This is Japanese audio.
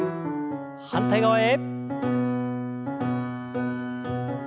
反対側へ。